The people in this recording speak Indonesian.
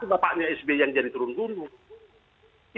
itu bapaknya sbi yang jadi turun gunung